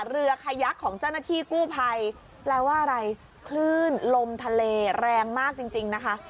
เรือขยักของเจ้าหน้าที่กู้ภัยแปลว่าอะไรคลื่นลมทะเลแรงมากจริงจริงนะคะ